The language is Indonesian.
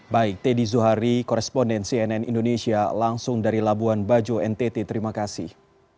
baik teddy zuhari koresponden cnn indonesia langsung dari labuan bajo ntt terima kasih